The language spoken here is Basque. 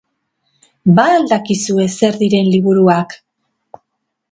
Ba al dakizue zer diren liburuak?